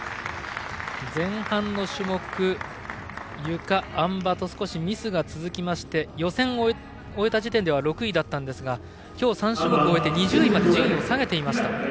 前半の種目ゆか、あん馬と少しミスが続きまして予選終えた時点では６位でしたが今日３種目終えて２０位まで順位を下げていました。